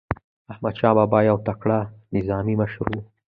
احمدشاه بابا یو تکړه نظامي مشر و.